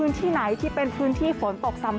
ส่วนในระยะนี้หลายพื้นที่ยังคงพบเจอฝนตกหนักได้ค่ะ